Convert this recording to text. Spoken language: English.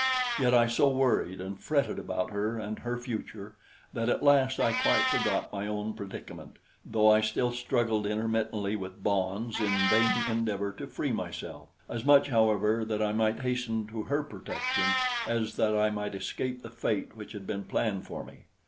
Yet I so worried and fretted about her and her future that at last I quite forgot my own predicament, though I still struggled intermittently with my bonds in vain endeavor to free myself; as much, however, that I might hasten to her protection as that I might escape the fate which had been planned for me.